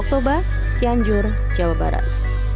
toba cianjur jawa barat